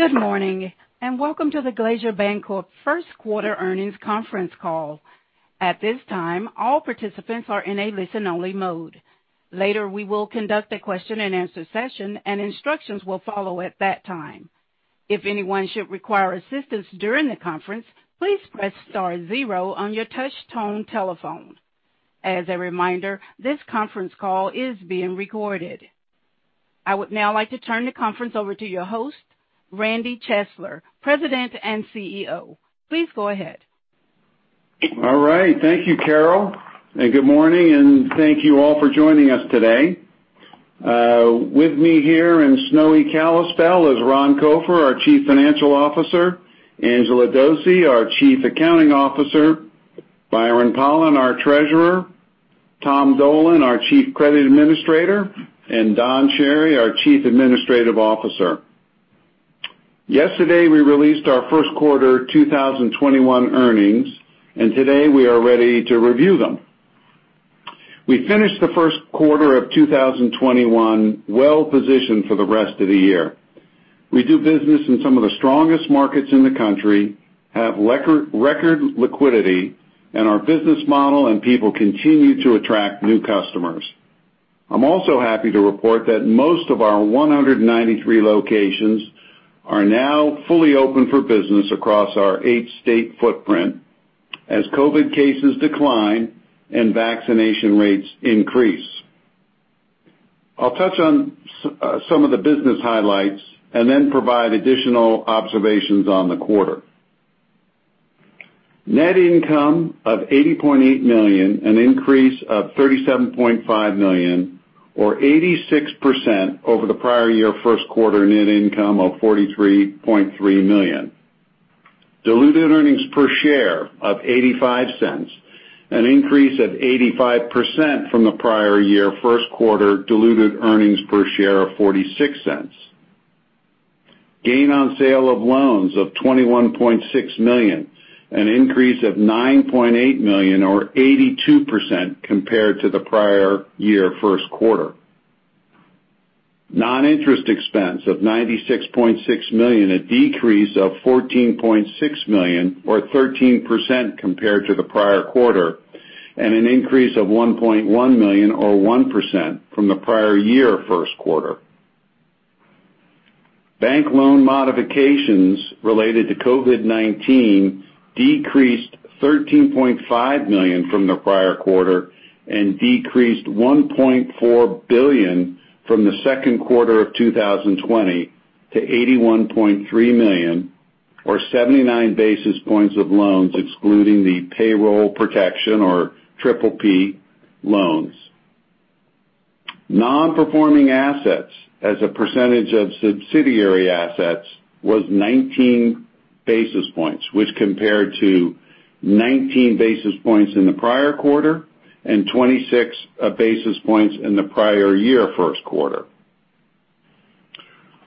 Good morning, and welcome to the Glacier Bancorp first quarter earnings conference call. At this time, all participants are in a listen-only mode. Later, we will conduct a question-and-answer session, and instructions will follow at that time. If anyone should require assistance during the conference, please press star zero on your touch tone telephone. As a reminder, this conference call is being recorded. I would now like to turn the conference over to your host, Randy Chesler, President and CEO. Please go ahead. All right. Thank you, Carol, and good morning, and thank you all for joining us today. With me here in snowy Kalispell is Ron Copher, our Chief Financial Officer, Angela Dose, our Chief Accounting Officer, Byron Pollan, our Treasurer, Tom Dolan, our Chief Credit Administrator, and Don Cherry, our Chief Administrative Officer. Yesterday, we released our first quarter 2021 earnings, and today, we are ready to review them. We finished the first quarter of 2021 well-positioned for the rest of the year. We do business in some of the strongest markets in the country, have record liquidity, and our business model and people continue to attract new customers. I'm also happy to report that most of our 193 locations are now fully open for business across our eight-state footprint as COVID cases decline and vaccination rates increase. I'll touch on some of the business highlights and then provide additional observations on the quarter. Net income of $80.8 million, an increase of $37.5 million, or 86% over the prior year first quarter net income of $43.3 million. Diluted earnings per share of $0.85, an increase of 85% from the prior year first quarter diluted earnings per share of $0.46. Gain on sale of loans of $21.6 million, an increase of $9.8 million or 82% compared to the prior year first quarter. Non-interest expense of $96.6 million, a decrease of $14.6 million or 13% compared to the prior quarter, and an increase of $1.1 million or 1% from the prior year first quarter. Bank loan modifications related to COVID-19 decreased $13.5 million from the prior quarter and decreased $1.4 billion from the second quarter of 2020 to $81.3 million or 79 basis points of loans excluding the payroll protection or PPP loans. Non-performing assets as a percentage of subsidiary assets was 19 basis points, which compared to 19 basis points in the prior quarter and 26 basis points in the prior year first quarter.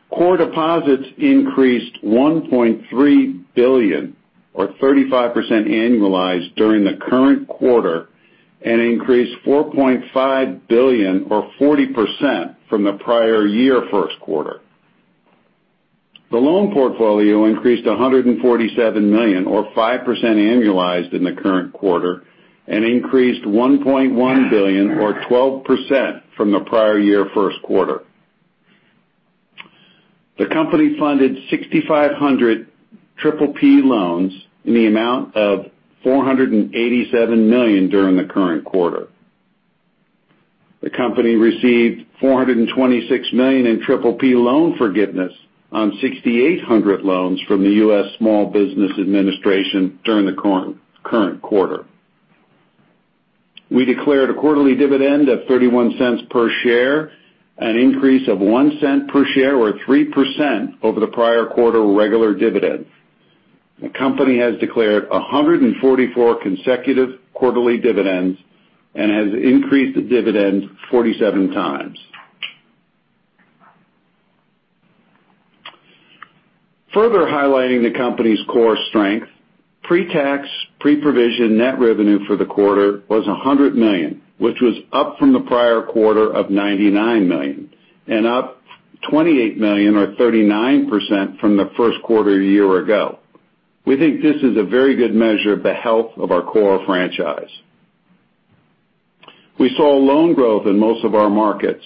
Core deposits increased $1.3 billion or 35% annualized during the current quarter and increased $4.5 billion or 40% from the prior year first quarter. The loan portfolio increased $147 million or 5% annualized in the current quarter and increased $1.1 billion or 12% from the prior year first quarter. The company funded 6,500 PPP loans in the amount of $487 million during the current quarter. The company received $426 million in PPP loan forgiveness on 6,800 loans from the U.S. Small Business Administration during the current quarter. We declared a quarterly dividend of $0.31 per share, an increase of $0.01 per share or 3% over the prior quarter regular dividend. The company has declared 144 consecutive quarterly dividends and has increased the dividend 47x. Further highlighting the company's core strength, pre-tax, pre-provision net revenue for the quarter was $100 million, which was up from the prior quarter of $99 million and up $28 million or 39% from the first quarter a year ago. We think this is a very good measure of the health of our core franchise. We saw loan growth in most of our markets,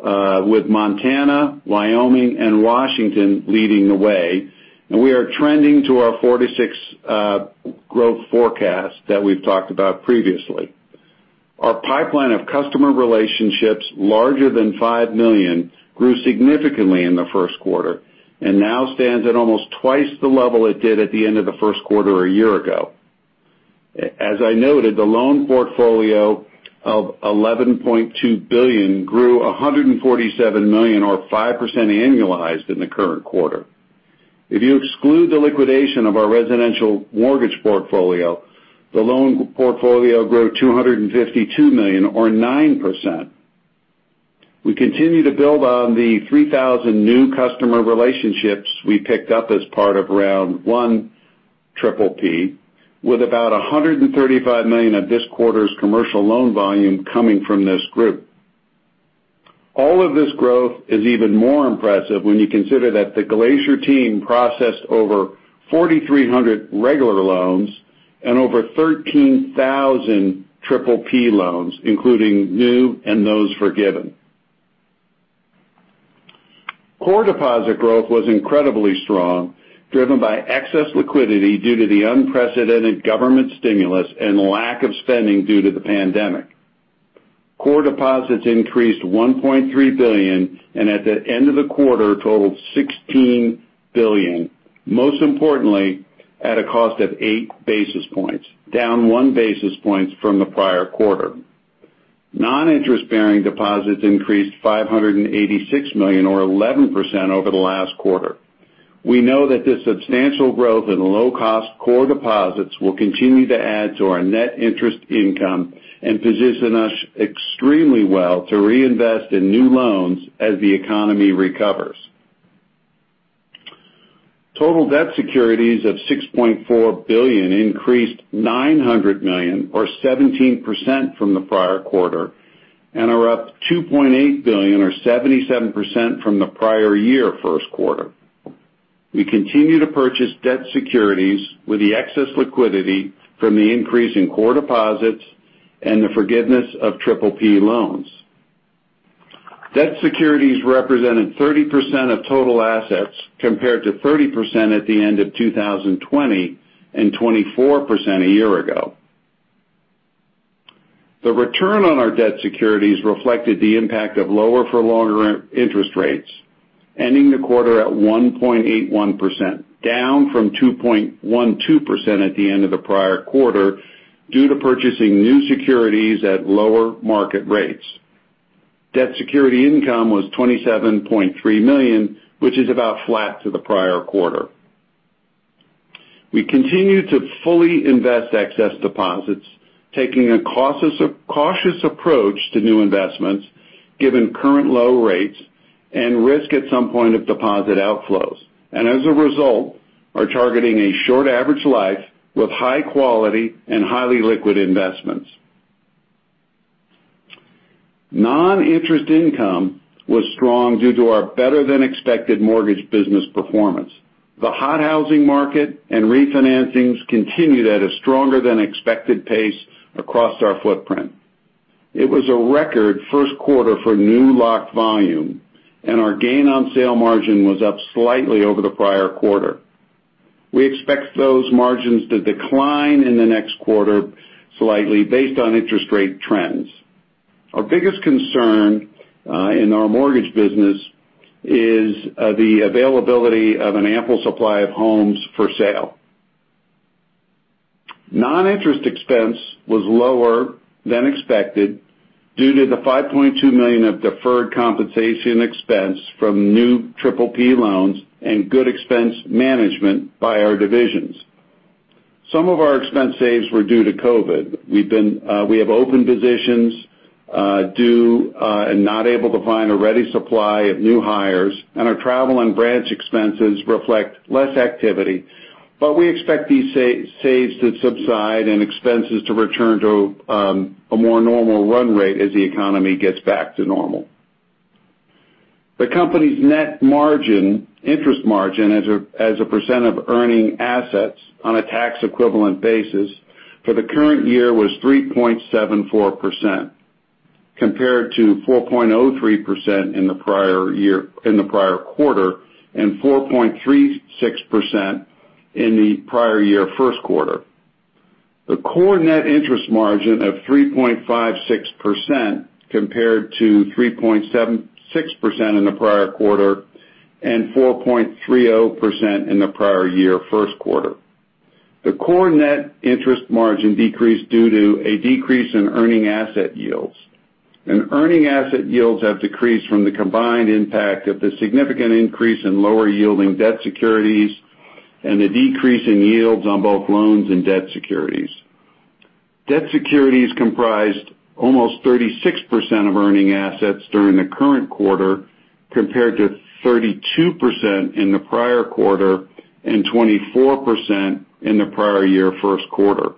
with Montana, Wyoming, and Washington leading the way, and we are trending to our 4% to 6% growth forecast that we've talked about previously. Our pipeline of customer relationships larger than $5 million grew significantly in the first quarter and now stands at almost twice the level it did at the end of the first quarter a year ago. As I noted, the loan portfolio of $11.2 billion grew $147 million or 5% annualized in the current quarter. If you exclude the liquidation of our residential mortgage portfolio, the loan portfolio grew $252 million or 9%. We continue to build on the 3,000 new customer relationships we picked up as part of round one PPP, with about $135 million of this quarter's commercial loan volume coming from this group. All of this growth is even more impressive when you consider that the Glacier team processed over 4,300 regular loans and over 13,000 PPP loans, including new and those forgiven. Core deposit growth was incredibly strong, driven by excess liquidity due to the unprecedented government stimulus and lack of spending due to the pandemic. Core deposits increased $1.3 billion and at the end of the quarter totaled $16 billion, most importantly, at a cost of 8 basis points, down 1 basis point from the prior quarter. Non-interest-bearing deposits increased $586 million or 11% over the last quarter. We know that this substantial growth in low-cost core deposits will continue to add to our net interest income and position us extremely well to reinvest in new loans as the economy recovers. Total debt securities of $6.4 billion increased $900 million or 17% from the prior quarter, and are up $2.8 billion or 77% from the prior year first quarter. We continue to purchase debt securities with the excess liquidity from the increase in core deposits and the forgiveness of PPP loans. Debt securities represented 30% of total assets, compared to 30% at the end of 2020 and 24% a year ago. The return on our debt securities reflected the impact of lower-for-longer interest rates, ending the quarter at 1.81%, down from 2.12% at the end of the prior quarter, due to purchasing new securities at lower market rates. Debt security income was $27.3 million, which is about flat to the prior quarter. We continue to fully invest excess deposits, taking a cautious approach to new investments given current low rates and risk at some point of deposit outflows. As a result, we are targeting a short average life with high quality and highly liquid investments. Non-interest income was strong due to our better-than-expected mortgage business performance. The hot housing market and refinancings continued at a stronger than expected pace across our footprint. It was a record first quarter for new locked volume, and our gain-on-sale margin was up slightly over the prior quarter. We expect those margins to decline in the next quarter slightly based on interest rate trends. Our biggest concern in our mortgage business is the availability of an ample supply of homes for sale. Non-interest expense was lower than expected due to the $5.2 million of deferred compensation expense from new PPP loans and good expense management by our divisions. Some of our expense saves were due to COVID. We have open positions due and not able to find a ready supply of new hires, and our travel and branch expenses reflect less activity. We expect these saves to subside and expenses to return to a more normal run rate as the economy gets back to normal. The company's net margin, interest margin as a percent of earning assets on a tax-equivalent basis for the current year was 3.74%, compared to 4.03% in the prior quarter and 4.36% in the prior year first quarter. The core net interest margin of 3.56% compared to 3.76% in the prior quarter and 4.30% in the prior year first quarter. The core net interest margin decreased due to a decrease in earning asset yields. Earning asset yields have decreased from the combined impact of the significant increase in lower-yielding debt securities and the decrease in yields on both loans and debt securities. Debt securities comprised almost 36% of earning assets during the current quarter, compared to 32% in the prior quarter and 24% in the prior year first quarter.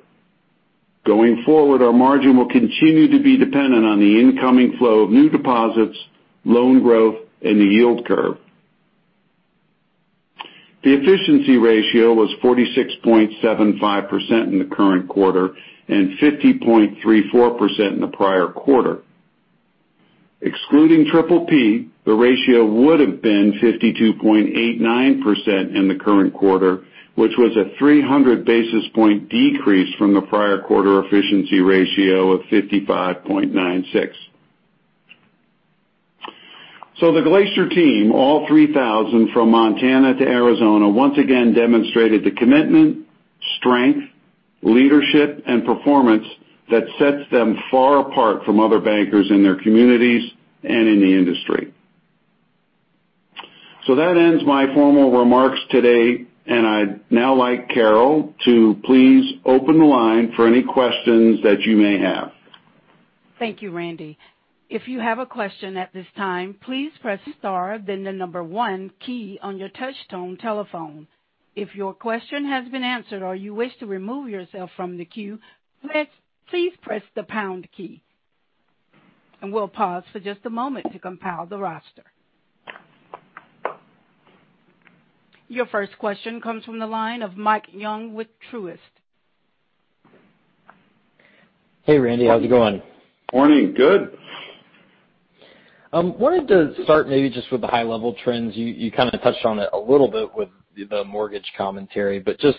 Going forward, our margin will continue to be dependent on the incoming flow of new deposits, loan growth and the yield curve. The efficiency ratio was 46.75% in the current quarter and 50.34% in the prior quarter. Excluding PPP, the ratio would've been 52.89% in the current quarter, which was a 300-basis-point decrease from the prior quarter efficiency ratio of 55.96. The Glacier team, all 3,000 from Montana to Arizona, once again demonstrated the commitment, strength, leadership, and performance that sets them far apart from other bankers in their communities and in the industry. That ends my formal remarks today, and I'd now like Carol to please open the line for any questions that you may have. Thank you, Randy. If you have a question at this time, please press star, then the number one key on your touchtone telephone. If your question has been answered or you wish to remove yourself from the queue, please press the pound key. We'll pause for just a moment to compile the roster. Your first question comes from the line of Mike Young with Truist. Hey, Randy, how's it going? Morning. Good. Wanted to start maybe just with the high-level trends. You kind of touched on it a little bit with the mortgage commentary, just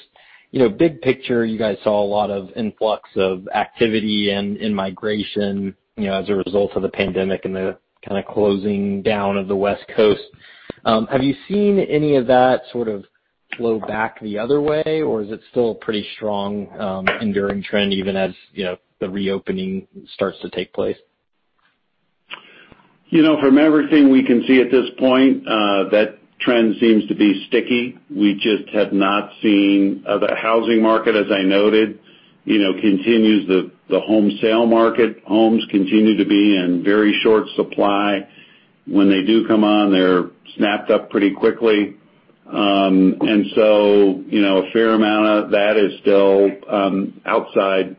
big picture, you guys saw a lot of influx of activity and in-migration as a result of the pandemic and the kind of closing down of the West Coast. Have you seen any of that sort of flow back the other way, or is it still a pretty strong, enduring trend even as the reopening starts to take place? From everything we can see at this point, that trend seems to be sticky. The housing market, as I noted, continues the home sale market. Homes continue to be in very short supply. When they do come on, they're snapped up pretty quickly. A fair amount of that is still outside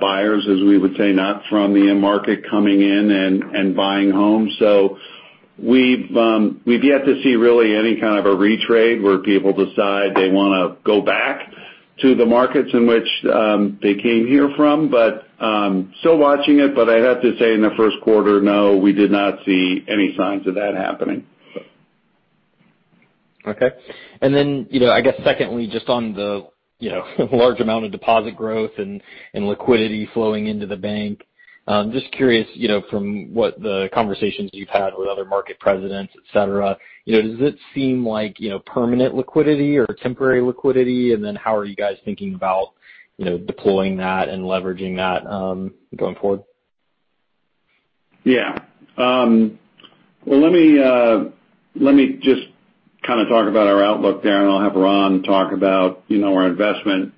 buyers, as we would say, not from the end market coming in and buying homes. We've yet to see really any kind of a retrade where people decide they want to go back to the markets in which they came here from. Still watching it, but I'd have to say in the first quarter, no, we did not see any signs of that happening. Okay. I guess secondly, just on the large amount of deposit growth and liquidity flowing into the bank. Just curious, from what the conversations you've had with other market presidents, et cetera, does it seem like permanent liquidity or temporary liquidity? How are you guys thinking about deploying that and leveraging that going forward? Yeah. Well, let me just kind of talk about our outlook there, and I'll have Ron talk about our investment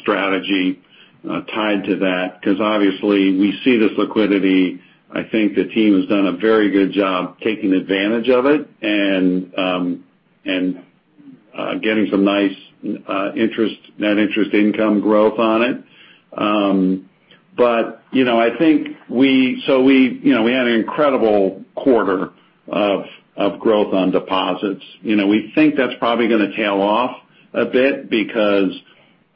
strategy tied to that because obviously, we see this liquidity. I think the team has done a very good job taking advantage of it and getting some nice net interest income growth on it. We had an incredible quarter of growth on deposits. We think that's probably going to tail off a bit because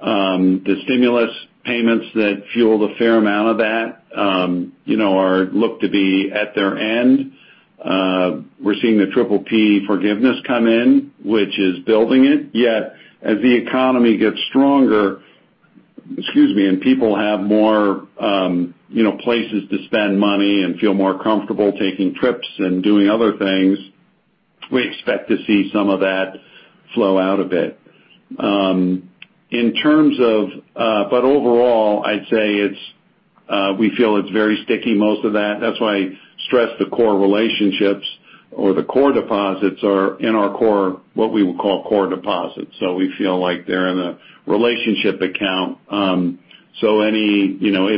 the stimulus payments that fuel the fair amount of that are looked to be at their end. We're seeing the PPP forgiveness come in, which is building it, yet as the economy gets stronger, and people have more places to spend money and feel more comfortable taking trips and doing other things, we expect to see some of that flow out a bit. Overall, I'd say we feel it's very sticky, most of that. That's why I stress the core relationships or the core deposits are in our core, what we would call core deposits. We feel like they're in a relationship account.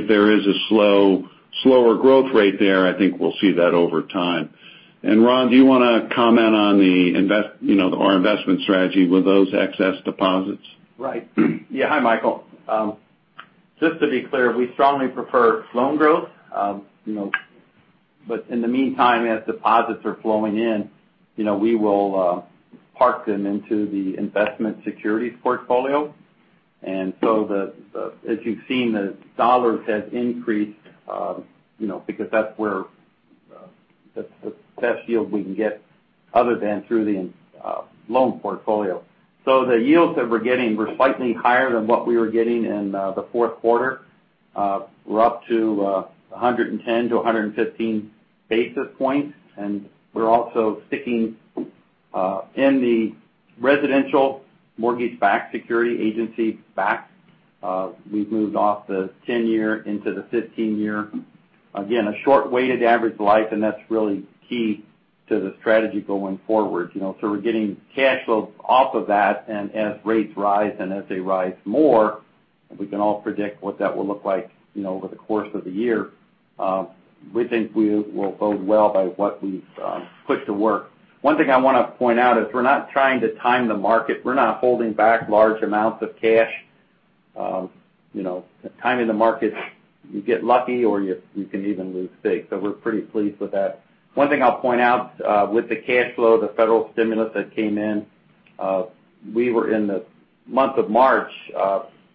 If there is a slower growth rate there, I think we'll see that over time. Ron, do you want to comment on our investment strategy with those excess deposits? Right. Yeah. Hi, Mike. Just to be clear, we strongly prefer loan growth. In the meantime, as deposits are flowing in, we will park them into the investment securities portfolio. As you've seen, the dollars have increased because that's the best yield we can get other than through the loan portfolio. The yields that we're getting were slightly higher than what we were getting in the fourth quarter. We're up to 110 to 115 basis points, and we're also sticking in the residential mortgage-backed security agency-backed. We've moved off the 10-year into the 15-year. Again, a short weighted average life, and that's really key to the strategy going forward. We're getting cash flows off of that, and as rates rise and as they rise more, and we can all predict what that will look like over the course of the year. We think we will bode well by what we've put to work. One thing I want to point out is we're not trying to time the market. We're not holding back large amounts of cash. Timing the market, you get lucky or you can even lose big. We're pretty pleased with that. One thing I'll point out, with the cash flow, the federal stimulus that came in, we were in the month of March,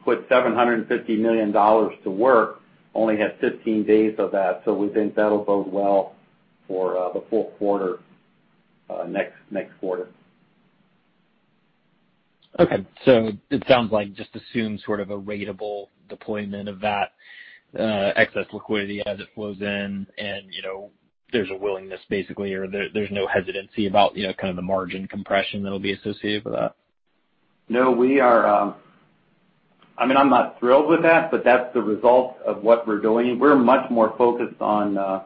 put $750 million to work, only had 15 days of that. We think that'll bode well for the full quarter next quarter. Okay. It sounds like just assume sort of a ratable deployment of that excess liquidity as it flows in and there's a willingness basically, or there's no hesitancy about kind of the margin compression that'll be associated with that. No. I mean, I'm not thrilled with that, but that's the result of what we're doing. We're much more focused on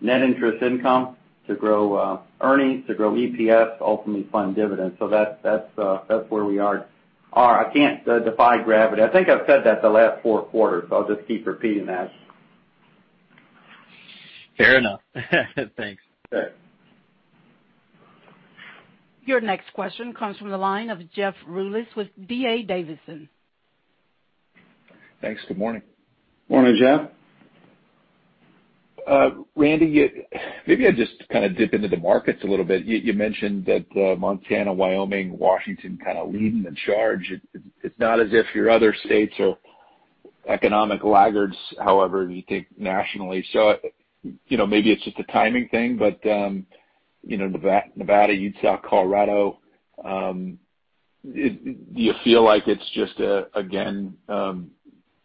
Net interest income to grow earnings, to grow EPS, ultimately fund dividends. That's where we are. I can't defy gravity. I think I've said that the last four quarters, so I'll just keep repeating that. Fair enough. Thanks. Sure. Your next question comes from the line of Jeff Rulis with DA Davidson. Thanks. Good morning. Morning, Jeff. Randy, maybe I just kind of dip into the markets a little bit. You mentioned that Montana, Wyoming, Washington kind of leading the charge. It's not as if your other states are economic laggards, however you think nationally. Maybe it's just a timing thing, but Nevada, Utah, Colorado, do you feel like it's just, again,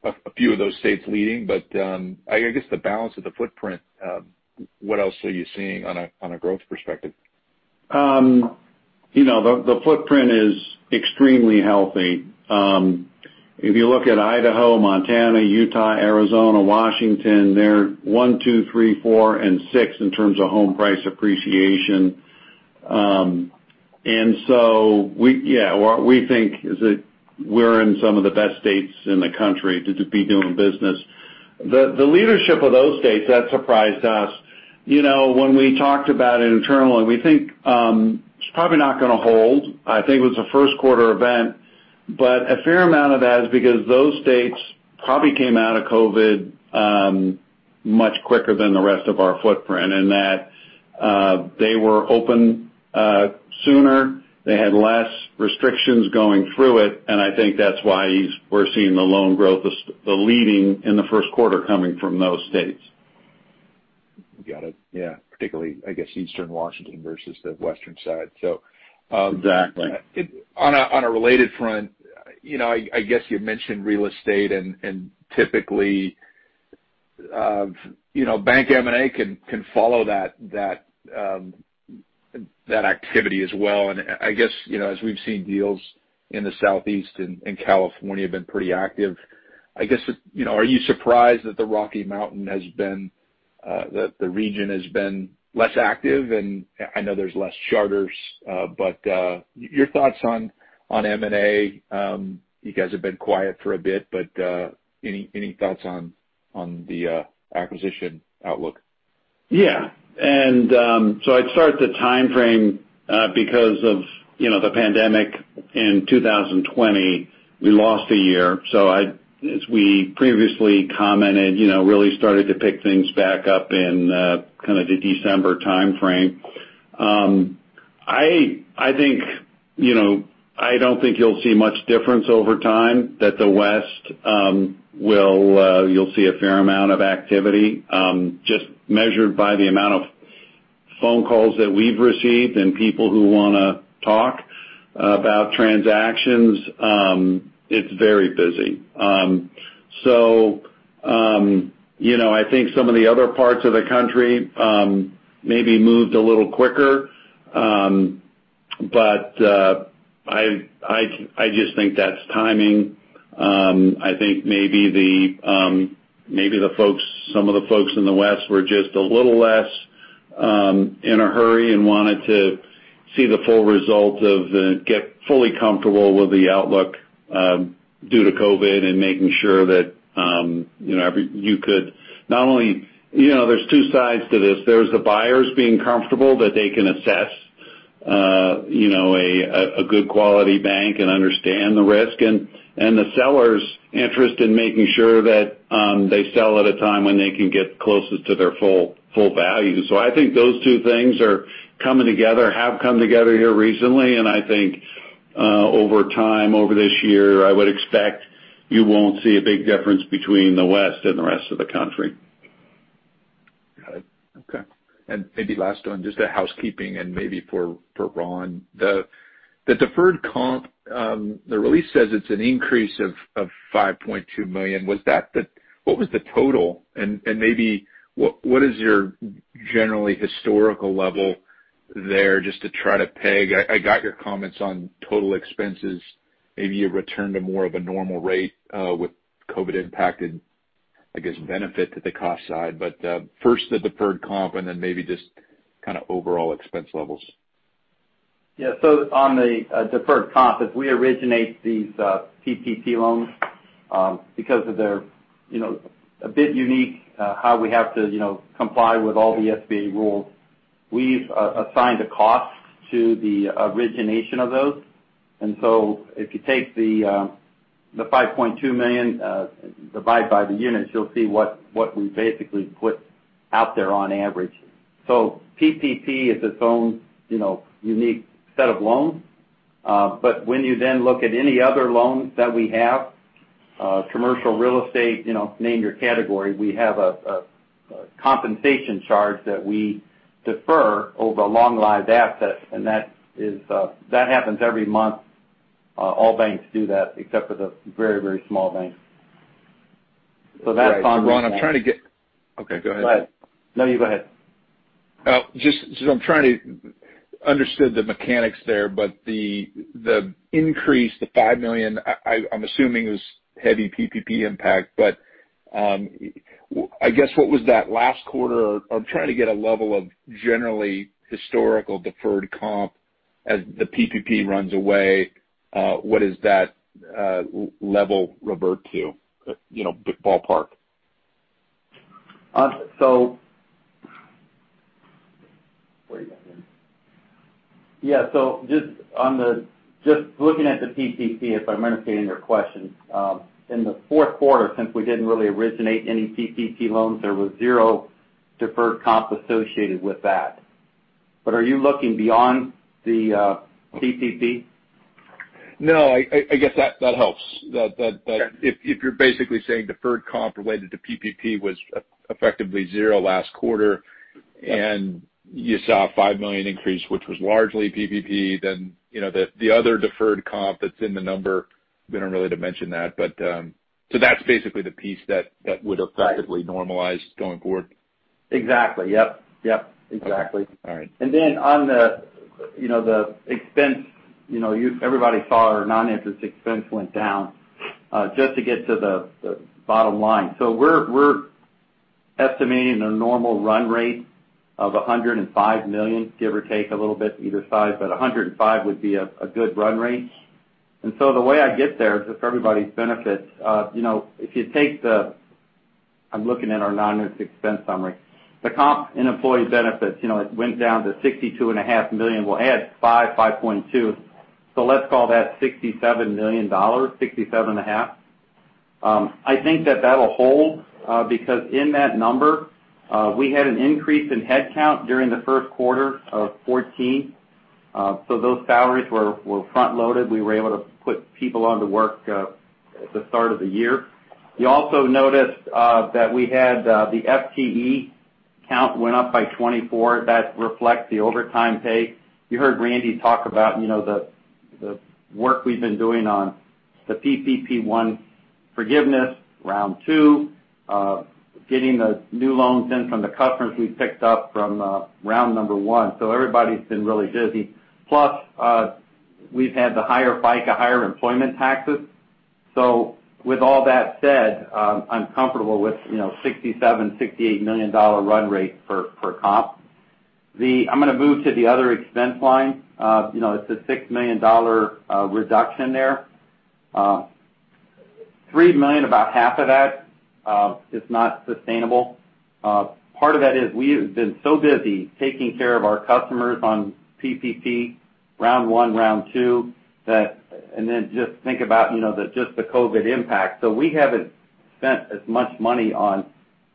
a few of those states leading? I guess the balance of the footprint, what else are you seeing on a growth perspective? The footprint is extremely healthy. If you look at Idaho, Montana, Utah, Arizona, Washington, they're one, two, three, four and six in terms of home price appreciation. We think that we're in some of the best states in the country to just be doing business. The leadership of those states, that surprised us. When we talked about it internally, we think it's probably not going to hold. I think it was a first quarter event, but a fair amount of that is because those states probably came out of COVID much quicker than the rest of our footprint in that they were open sooner, they had less restrictions going through it, and I think that's why we're seeing the loan growth, the leading in the first quarter coming from those states. Got it. Yeah. Particularly, I guess, Eastern Washington versus the Western side. Exactly. On a related front, I guess you mentioned real estate and typically, bank M&A can follow that activity as well. I guess, as we've seen deals in the Southeast and California have been pretty active. I guess, are you surprised that the Rocky Mountain, the region has been less active? I know there's less charters, but your thoughts on M&A. You guys have been quiet for a bit, but any thoughts on the acquisition outlook? Yeah. I'd start the timeframe because of the pandemic in 2020, we lost a year. As we previously commented, really started to pick things back up in kind of the December timeframe. I don't think you'll see much difference over time that the West, you'll see a fair amount of activity. Just measured by the amount of phone calls that we've received and people who want to talk about transactions, it's very busy. I think some of the other parts of the country maybe moved a little quicker. I just think that's timing. I think maybe some of the folks in the West were just a little less in a hurry and wanted to see the full result of get fully comfortable with the outlook due to COVID and making sure that you could not only. There's two sides to this. There's the buyers being comfortable that they can assess a good quality bank and understand the risk, and the sellers' interest in making sure that they sell at a time when they can get closest to their full value. I think those two things are coming together, have come together here recently, and I think over time, over this year, I would expect you won't see a big difference between the West and the rest of the country. Got it. Okay. Maybe last one, just a housekeeping and maybe for Ron. The deferred comp, the release says it's an increase of $5.2 million. What was the total and maybe what is your generally historical level there just to try to peg? I got your comments on total expenses, maybe a return to more of a normal rate with COVID impacted, I guess, benefit to the cost side. First the deferred comp and then maybe just kind of overall expense levels. Yeah. On the deferred comp, as we originate these PPP loans because of their a bit unique how we have to comply with all the SBA rules. We've assigned a cost to the origination of those. If you take the $5.2 million divide by the units, you'll see what we basically put out there on average. PPP is its own unique set of loans. When you then look at any other loans that we have, commercial real estate, name your category, we have a compensation charge that we defer over the long-lived assets and that happens every month. All banks do that except for the very small banks. That's- Ron, okay, go ahead. Go ahead. No, you go ahead. Just I'm trying to understand the mechanics there, the increase, the $5 million, I'm assuming is heavy PPP impact. I guess, what was that last quarter? I'm trying to get a level of generally historical deferred comp as the PPP runs away. What is that level revert to? Ballpark. Yeah. Just looking at the PPP, if I'm understanding your question. In the fourth quarter, since we didn't really originate any PPP loans, there was zero deferred comp associated with that. Are you looking beyond the PPP? No, I guess that helps. Sure. If you're basically saying deferred comp related to PPP was effectively zero last quarter, and you saw a $5 million increase, which was largely PPP, then the other deferred comp that's in the number, we don't really dimension that. That's basically the piece that would effectively normalize going forward. Exactly. Yep. Exactly. All right. On the expense, everybody saw our non-interest expense went down just to get to the bottom line. We're estimating a normal run rate of 105 million, give or take a little bit either side, but 105 would be a good run rate. The way I get there is, just for everybody's benefit, I'm looking at our non-interest expense summary. The comp in employee benefits, it went down to $62.5 million. We'll add five, 5.2. Let's call that $67 million, 67 and a half. I think that that'll hold because in that number, we had an increase in headcount during the first quarter of 2014. Those salaries were front-loaded. We were able to put people on to work at the start of the year. You also noticed that we had the FTE count went up by 24. That reflects the overtime pay. You heard Randy talk about the work we've been doing on the PPP 1 forgiveness, round two, getting the new loans in from the customers we picked up from round number one. Everybody's been really busy. Plus, we've had the higher FICA, higher employment taxes. With all that said, I'm comfortable with $67 million, $68 million run rate for comp. I'm going to move to the other expense line. It's a six million reduction there. Three million, about half of that is not sustainable. Part of that is we have been so busy taking care of our customers on PPP round one, round two, and then just think about just the COVID impact. We haven't spent as much money on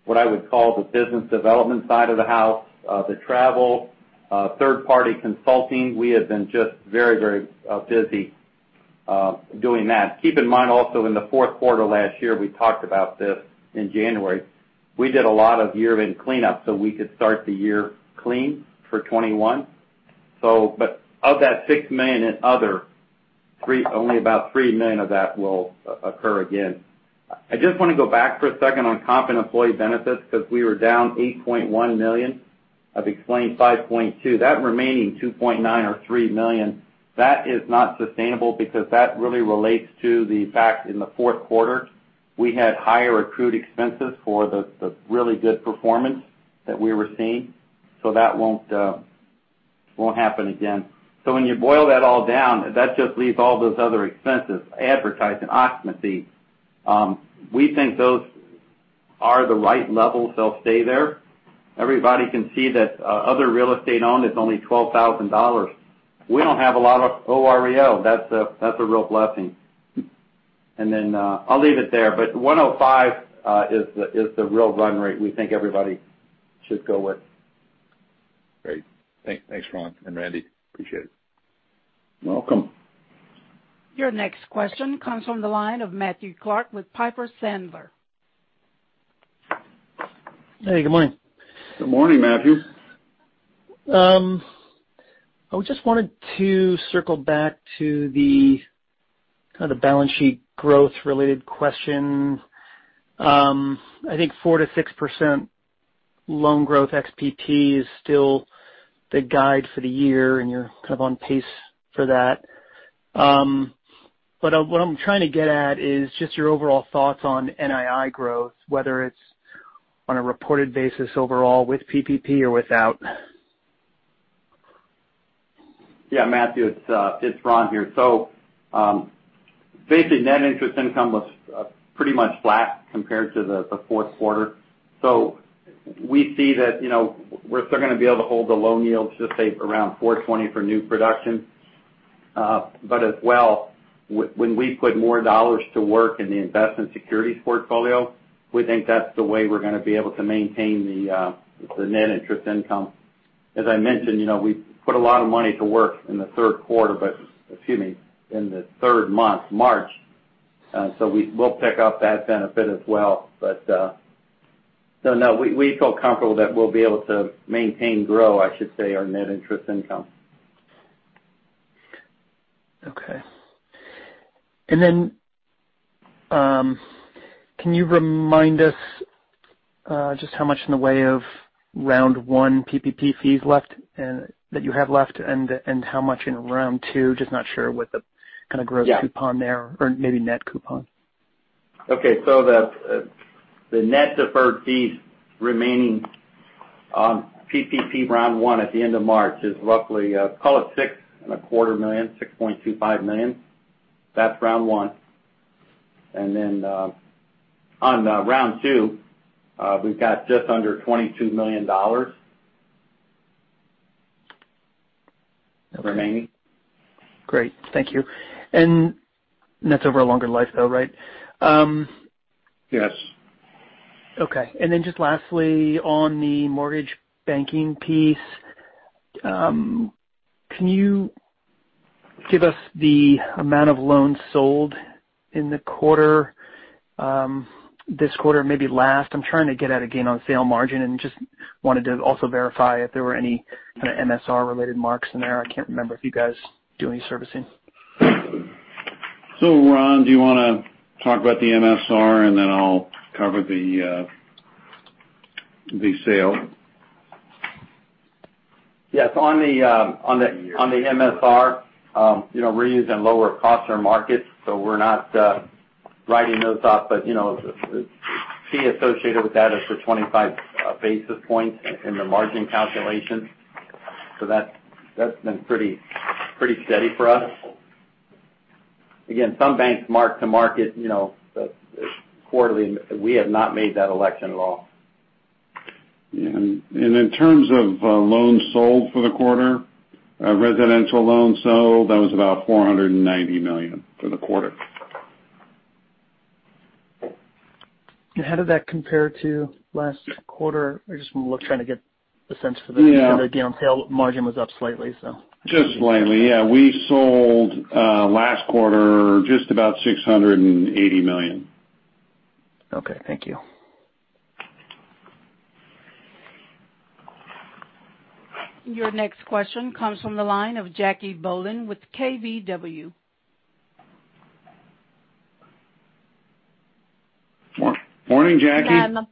what I would call the business development side of the house, the travel, third-party consulting. We have been just very busy doing that. Keep in mind also, in the fourth quarter last year, we talked about this in January. We did a lot of year-end cleanup so we could start the year clean for 2021. Of that $6 million in other, only about $3 million of that will occur again. I just want to go back for a second on comp and employee benefits because we were down $8.1 million. I've explained 5.2. That remaining 2.9 or 3 million, that is not sustainable because that really relates to the fact in the fourth quarter, we had higher accrued expenses for the really good performance that we were seeing. That won't happen again. When you boil that all down, that just leaves all those other expenses, advertising, occupancy fees. We think those are the right levels. They'll stay there. Everybody can see that other real estate owned is only $12,000. We don't have a lot of OREO. That's a real blessing. I'll leave it there. 105 is the real run rate we think everybody should go with. Great. Thanks, Ron and Randy. Appreciate it. Welcome. Your next question comes from the line of Matthew Clark with Piper Sandler. Hey, good morning. Good morning, Matthew. I just wanted to circle back to the kind of balance sheet growth related question. I think 4%-6% loan growth ex-PPP is still the guide for the year, and you're kind of on pace for that. What I'm trying to get at is just your overall thoughts on NII growth, whether it's on a reported basis overall with PPP or without. Yeah, Matthew, it's Ron here. Basically, net interest income was pretty much flat compared to the fourth quarter. We see that we're still going to be able to hold the loan yields, let's say, around 420 for new production. As well, when we put more dollars to work in the investment securities portfolio, we think that's the way we're going to be able to maintain the net interest income. As I mentioned, we put a lot of money to work in the third quarter, excuse me, in the third month, March. We will pick up that benefit as well. No, we feel comfortable that we'll be able to maintain growth, I should say, our net interest income. Okay. Can you remind us just how much in the way of round one PPP fees that you have left, and how much in round two? Just not sure what the kind of gross coupon there, or maybe net coupon. Yeah. Okay. The net deferred fees remaining on PPP round one at the end of March is roughly, call it six and a quarter million, 6.25 million. That's round one. On round two, we've got just under $22 million remaining. Great. Thank you. That's over a longer life though, right? Yes. Okay. just lastly, on the mortgage banking piece, can you give us the amount of loans sold in the quarter, this quarter, maybe last? I'm trying to get at a gain on sale margin, and just wanted to also verify if there were any kind of MSR related marks in there. I can't remember if you guys do any servicing. Ron, do you want to talk about the MSR and then I'll cover the sale? Yes. On the MSR, we're using lower cost on markets, so we're not writing those off. The fee associated with that is for 25 basis points in the margin calculations. That's been pretty steady for us. Again, some banks mark to market quarterly. We have not made that election at all. Yeah. in terms of loans sold for the quarter, residential loans sold, that was about $490 million for the quarter. How did that compare to last quarter? I just want to look, trying to get the sense for the gain on sale margin was up slightly, so. Yeah. Just slightly. Yeah. We sold last quarter just about $680 million. Okay. Thank you. Your next question comes from the line of Jacque Bohlen with KBW. Morning, Jacque.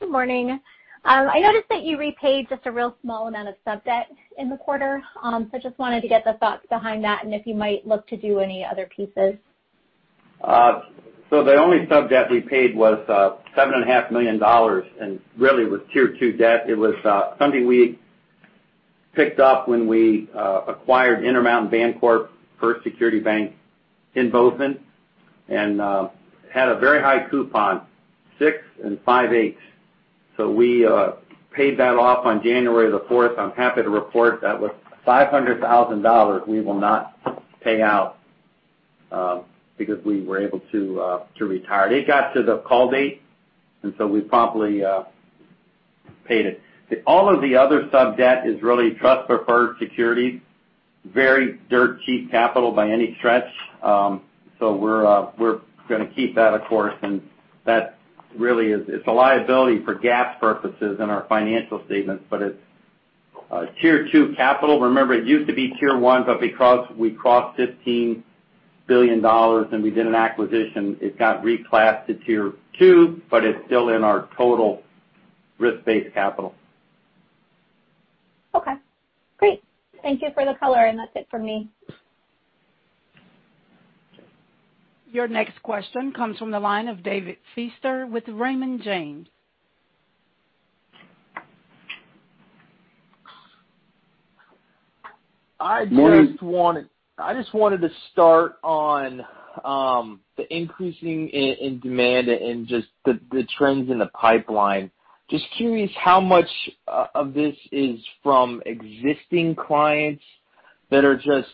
Good morning. I noticed that you repaid just a real small amount of sub-debt in the quarter. just wanted to get the thoughts behind that and if you might look to do any other pieces. The only sub-debt we paid was $7.5 million, and really was Tier 2 debt. It was something we picked up when we acquired Intermountain Bancorp First Security Bank in Bozeman and had a very high coupon, six and five-eighths. We paid that off on January the fourth. I'm happy to report that was $500,000 we will not pay out because we were able to retire it. It got to the call date, and so we promptly paid it. All of the other sub-debt is really trust-preferred securities, very dirt cheap capital by any stretch. We're going to keep that of course, and that really is a liability for GAAP purposes in our financial statements, but it's Tier 2 capital. Remember, it used to be Tier 1, but because we crossed $15 billion and we did an acquisition, it got reclassed to Tier 2, but it's still in our total risk-based capital. Okay. Great. Thank you for the color, and that's it for me. Your next question comes from the line of David Feaster with Raymond James. Morning. I just wanted to start on the increasing in demand and just the trends in the pipeline. Just curious how much of this is from existing clients that are just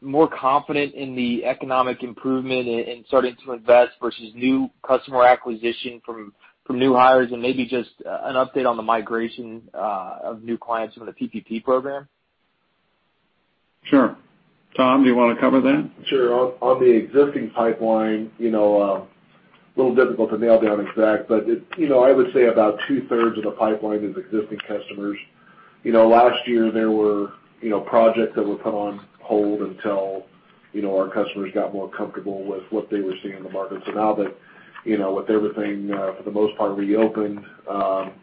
more confident in the economic improvement and starting to invest versus new customer acquisition from new hires and maybe just an update on the migration of new clients from the PPP program. Sure. Tom, do you want to cover that? Sure. On the existing pipeline, little difficult to nail down exact, but I would say about two-thirds of the pipeline is existing customers. Last year there were projects that were put on hold until our customers got more comfortable with what they were seeing in the market. Now that with everything for the most part reopened,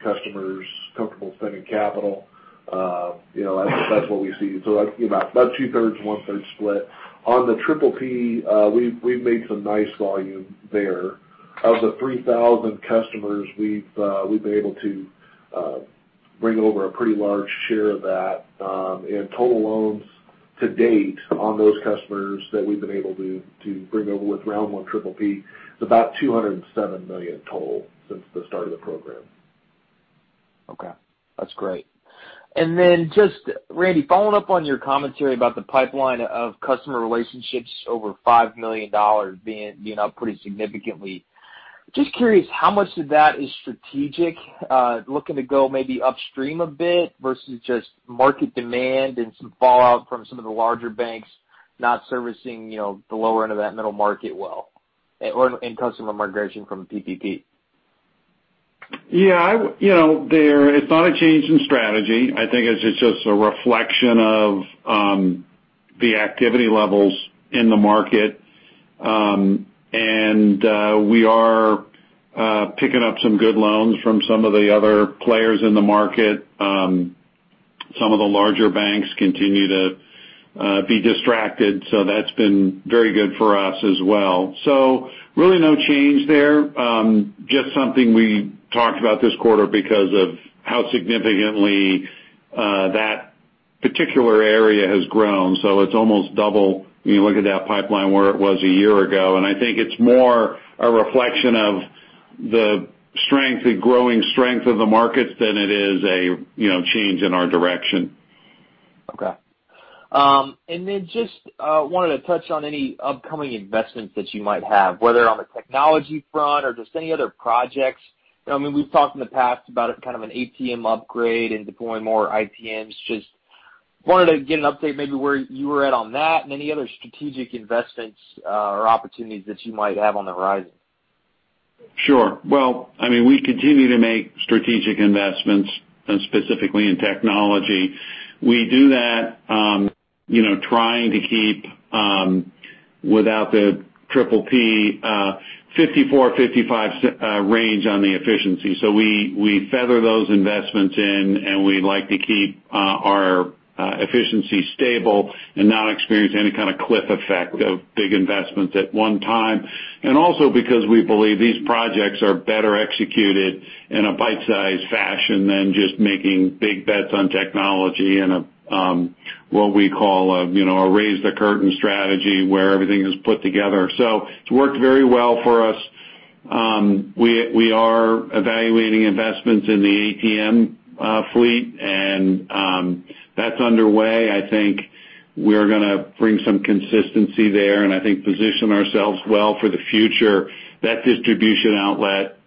customers comfortable spending capital, that's what we see. About 2/3, 1/3 split. On the PPP, we've made some nice volume there. Of the 3,000 customers, we've been able to bring over a pretty large share of that. Total loans to date on those customers that we've been able to bring over with round one PPP is about $207 million total since the start of the program. Okay. That's great. then just, Randy, following up on your commentary about the pipeline of customer relationships over $5 million being up pretty significantly. Just curious how much of that is strategic, looking to go maybe upstream a bit versus just market demand and some fallout from some of the larger banks not servicing the lower end of that middle market well, or in customer migration from PPP? Yeah. It's not a change in strategy. I think it's just a reflection of the activity levels in the market. We are picking up some good loans from some of the other players in the market. Some of the larger banks continue to be distracted, so that's been very good for us as well. Really no change there, just something we talked about this quarter because of how significantly that particular area has grown. It's almost double, when you look at that pipeline where it was a year ago. I think it's more a reflection of the growing strength of the markets than it is a change in our direction. Okay. just wanted to touch on any upcoming investments that you might have, whether on the technology front or just any other projects. We've talked in the past about kind of an ATM upgrade and deploying more ITMs. Just wanted to get an update maybe where you were at on that and any other strategic investments or opportunities that you might have on the horizon. Sure. Well, we continue to make strategic investments, and specifically in technology. We do that trying to keep, without the PPP, 54%-55% range on the efficiency. We feather those investments in, and we like to keep our efficiency stable and not experience any kind of cliff effect of big investments at one time. Also because we believe these projects are better executed in a bite-size fashion than just making big bets on technology in what we call a raise-the-curtain strategy, where everything is put together. It's worked very well for us. We are evaluating investments in the ATM fleet, and that's underway. I think we're going to bring some consistency there, and I think position ourselves well for the future. That distribution outlet,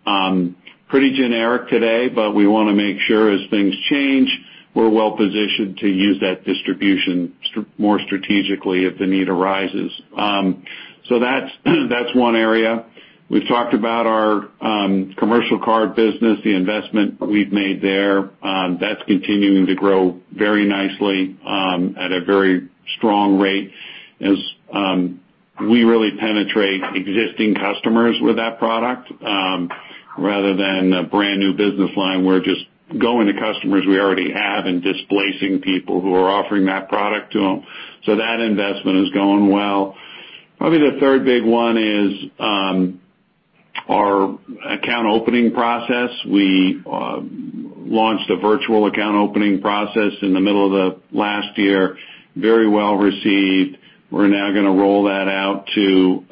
pretty generic today, but we want to make sure as things change, we're well-positioned to use that distribution more strategically if the need arises. That's one area. We've talked about our commercial card business, the investment we've made there. That's continuing to grow very nicely at a very strong rate as we really penetrate existing customers with that product. Rather than a brand-new business line, we're just going to customers we already have and displacing people who are offering that product to them. That investment is going well. Probably the third big one is our account opening process. We launched a virtual account opening process in the middle of the last year, very well-received. We're now going to roll that out to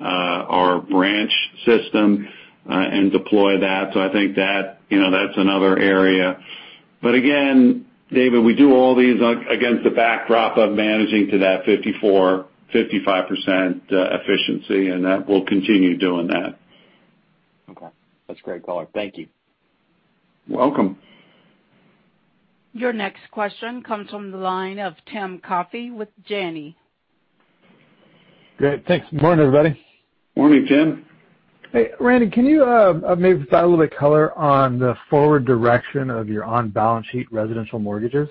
our branch system and deploy that. I think that's another area. Again, David, we do all these against the backdrop of managing to that 54%-55% efficiency, and we'll continue doing that. Okay. That's great color. Thank you. You're welcome. Your next question comes from the line of Tim Coffey with Janney. Great. Thanks. Good morning, everybody. Morning, Tim. Hey, Randy, can you maybe provide a little bit of color on the forward direction of your on-balance sheet residential mortgages?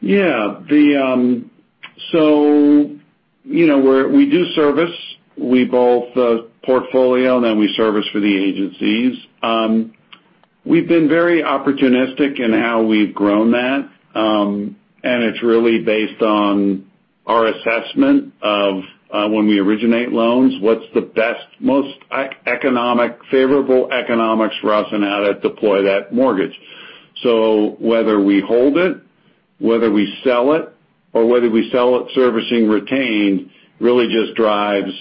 Yeah. We do service. We both portfolio, and then we service for the agencies. We've been very opportunistic in how we've grown that. It's really based on our assessment of when we originate loans, what's the most favorable economics for us in how to deploy that mortgage. Whether we hold it, whether we sell it, or whether we sell it servicing retained, really just drives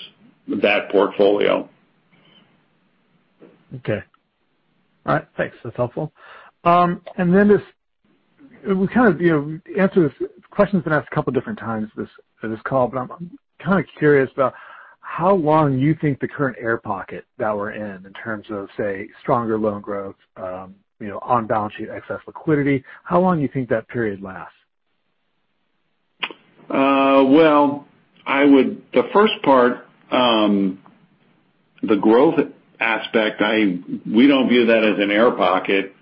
that portfolio. Okay. All right. Thanks. That's helpful. This question's been asked a couple different times for this call, but I'm kind of curious about how long you think the current air pocket that we're in terms of, say, stronger loan growth, on-balance sheet excess liquidity, how long you think that period lasts? Well, the first part, the growth aspect, we don't view that as an air pocket.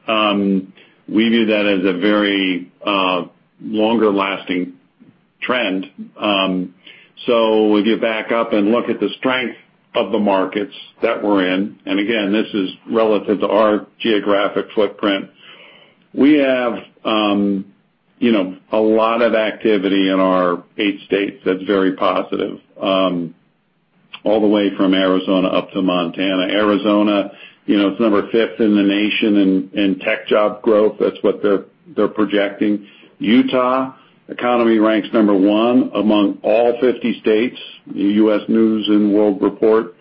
We view that as a very longer-lasting trend. If you back up and look at the strength of the markets that we're in, and again, this is relative to our geographic footprint. We have a lot of activity in our eight states that's very positive, all the way from Arizona up to Montana. Arizona, it's number fifth in the nation in tech job growth. That's what they're projecting. Utah economy ranks number one among all 50 states in U.S. News & World Report.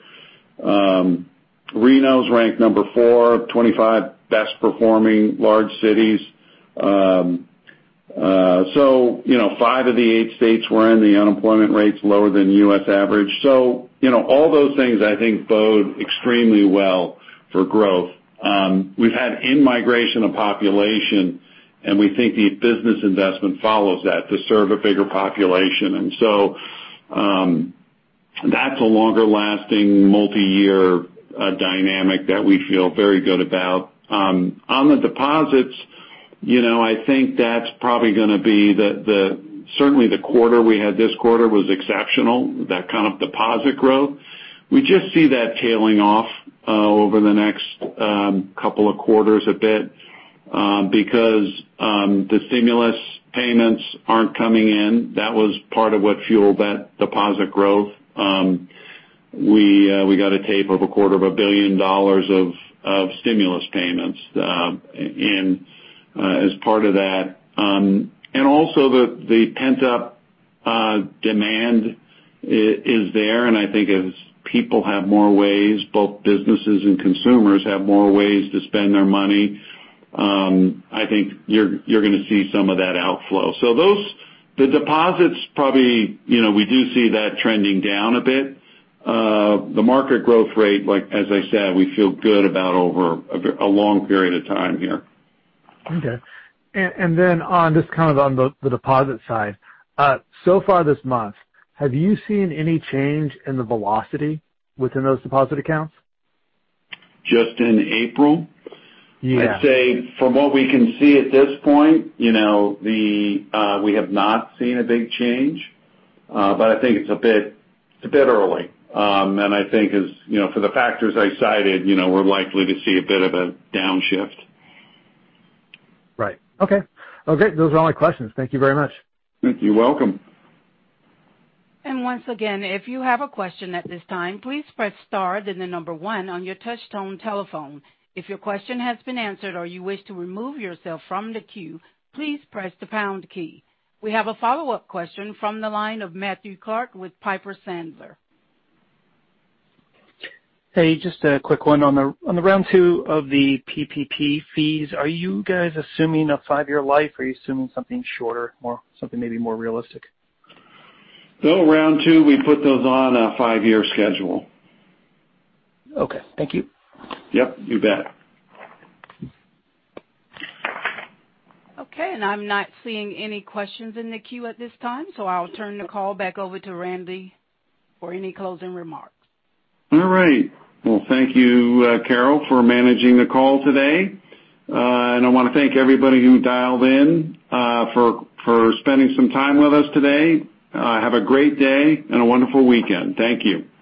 Reno's ranked number four of 25 best-performing large cities. Five of the eight states we're in, the unemployment rate's lower than U.S. average. All those things I think bode extremely well for growth. We've had in-migration of population, and we think the business investment follows that to serve a bigger population. That's a longer-lasting, multi-year dynamic that we feel very good about. On the deposits, I think that's probably going to be certainly the quarter we had this quarter was exceptional. That kind of deposit growth we just see that tailing off over the next couple of quarters a bit, because the stimulus payments aren't coming in. That was part of what fueled that deposit growth. We got a tape of a quarter of a billion dollars of stimulus payments in as part of that. The pent-up demand is there, and I think as people have more ways, both businesses and consumers have more ways to spend their money, I think you're going to see some of that outflow. So those, the deposits probably, we do see that trending down a bit. The market growth rate, as I said, we feel good about over a long period of time here. Okay. On just the deposit side. Far this month, have you seen any change in the velocity within those deposit accounts? Just in April? Yeah. I'd say from what we can see at this point, we have not seen a big change. I think it's a bit early. I think as for the factors I cited, we're likely to see a bit of a downshift. Right. Okay. Those are all my questions. Thank you very much. You're welcome. We have a follow-up question from the line of Matthew Clark with Piper Sandler. Hey, just a quick one on the round two of the PPP fees. Are you guys assuming a five-year life? Are you assuming something shorter, more something maybe more realistic? No, round two, we put those on a five-year schedule. Okay. Thank you. Yep, you bet. Okay, I'm not seeing any questions in the queue at this time, so I'll turn the call back over to Randy for any closing remarks. All right. Well, thank you, Carol, for managing the call today. I want to thank everybody who dialed in for spending some time with us today. Have a great day and a wonderful weekend. Thank you.